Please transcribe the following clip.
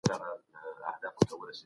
سالم خواړه فشار کموي.